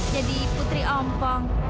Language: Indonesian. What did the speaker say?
jadi putri ompong